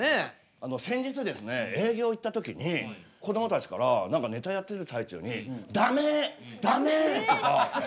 あの先日ですね営業行った時にこどもたちから何かネタやってる最中に「ダメ！ダメ！」とか。